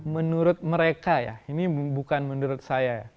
menurut mereka ya ini bukan menurut saya